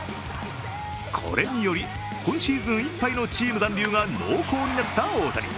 これにより今シーズンいっぱいのチーム残留が濃厚になった大谷。